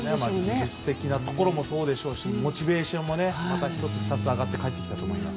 技術的なところもそうでしょうしモチベーションも１つ、２つ上がって帰ってきたと思います。